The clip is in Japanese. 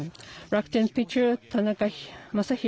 楽天の田中将大